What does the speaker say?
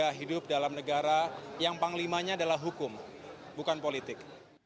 kita hidup dalam negara yang panglimanya adalah hukum bukan politik